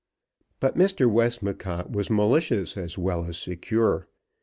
But Mr. Westmacott was malicious as well as secure.